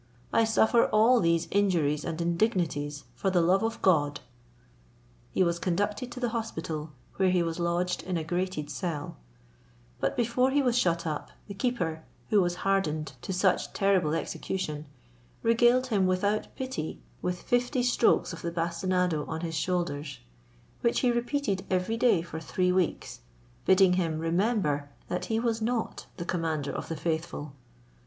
I suffer all these injuries and indignities for the love of God." He was conducted to the hospital, where he was lodged in a grated cell; but before he was shut up, the keeper, who was hardened to such terrible execution, regaled him without pity with fifty strokes of the bastinado on his shoulders, which he repeated every day for three weeks, bidding him remember that he was not the commander of the faithful.